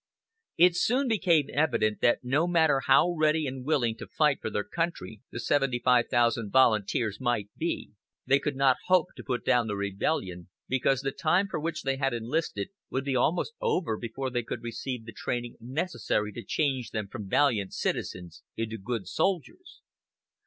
It soon became evident that no matter how ready and willing to fight for their country the 75,000 volunteers might be, they could not hope to put down the rebellion, because the time for which they had enlisted would be almost over before they could receive the training necessary to change them from valiant citizens into good soldiers.